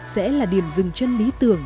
sẽ là điểm rừng chân lý tưởng